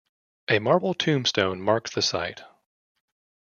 A marble tombstone marks the site.